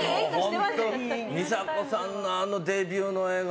美佐子さんのあのデビューの映画